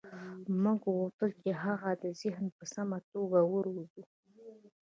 موږ غوښتل چې د هغه ذهن په سمه توګه وروزو